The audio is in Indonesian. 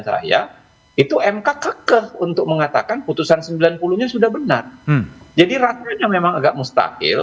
saya itu mk kekeh untuk mengatakan putusan sembilan puluh nya sudah benar jadi ratunya memang agak mustahil